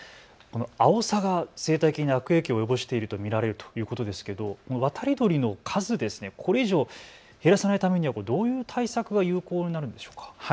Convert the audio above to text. アオサが生態系に悪影響を及ぼしていると見られるということですけどもこの渡り鳥の数、これ以上減らさないためにはどういう対策が有効になるんでしょうか。